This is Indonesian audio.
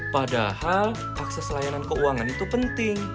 padahal akses layanan keuangan itu penting